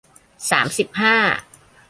สามสิบห้า